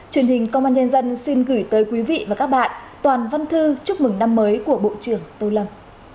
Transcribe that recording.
truyền hình công an nhân dân xin gửi tới quý vị và các bạn toàn văn thư chúc mừng năm mới của bộ trưởng tô lâm